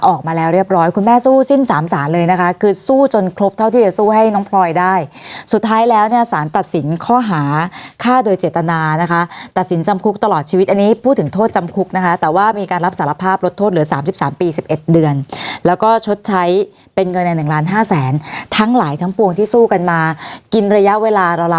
ออกมาแล้วเรียบร้อยคุณแม่สู้สิ้นสามสารเลยนะคะคือสู้จนครบเท่าที่จะสู้ให้น้องพลอยได้สุดท้ายแล้วเนี่ยสารตัดสินข้อหาฆ่าโดยเจตนานะคะตัดสินจำคุกตลอดชีวิตอันนี้พูดถึงโทษจำคุกนะคะแต่ว่ามีการรับสารภาพลดโทษเหลือ๓๓ปี๑๑เดือนแล้วก็ชดใช้เป็นเงินใน๑ล้านห้าแสนทั้งหลายทั้งปวงที่สู้กันมากินระยะเวลาระ